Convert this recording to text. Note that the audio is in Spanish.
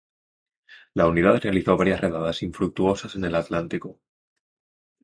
La unidad realizó varias redadas infructuosas en el Atlántico.